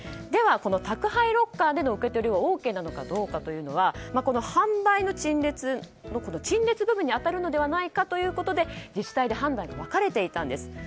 では、宅配ロッカーでの受け取りはＯＫなのかという点ですがこの販売・陳列の陳列部分に当たるのではないかということで自治体で判断が分かれていたんです。